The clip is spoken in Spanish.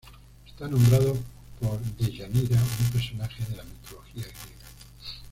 Está nombrado por Deyanira, un personaje de la mitología griega.